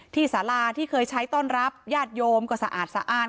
สาราที่เคยใช้ต้อนรับญาติโยมก็สะอาดสะอ้าน